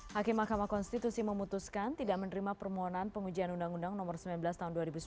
hakim mahkamah konstitusi memutuskan tidak menerima permohonan pengujian undang undang nomor sembilan belas tahun dua ribu sembilan belas